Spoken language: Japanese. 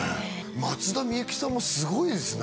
松田美由紀さんもすごいですね